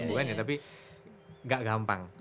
bukan ya tapi gak gampang